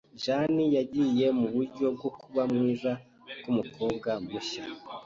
Jane yagiye muburyo bwo kuba mwiza kumukobwa mushya.